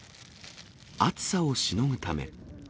暑さをしのぐため。